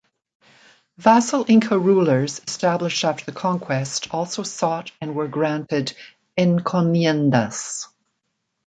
Vassal Inca rulers established after the conquest also sought and were granted "encomiendas".